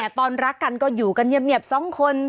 แต่ตอนรักกันก็อยู่กันเงียบ๒คน